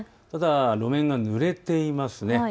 ただ路面がぬれていますね。